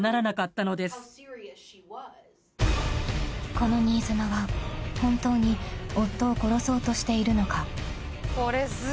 ［この新妻は本当に夫を殺そうとしているのか？］